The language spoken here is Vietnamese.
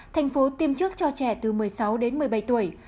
thành phố tiêm trước cho trẻ từ một mươi sáu đến một mươi bảy tuổi